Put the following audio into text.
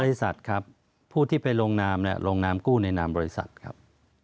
บริษัทครับผู้ที่ไปลงนามเนี่ยลงนามกู้ในนามบริษัทครับ